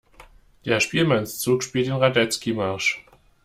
Der Spielmannszug spielt den Radetzky-Marsch.